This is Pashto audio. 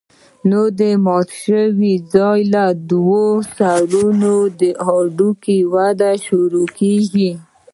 نو د مات شوي ځاى له دواړو سرونو د هډوکي وده شروع کېږي.